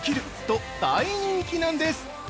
と大人気なんです！